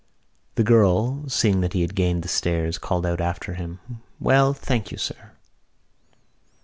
The girl, seeing that he had gained the stairs, called out after him: "Well, thank you, sir."